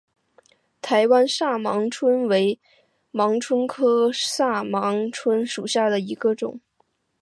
台湾萨盲蝽为盲蝽科萨盲蝽属下的一个种。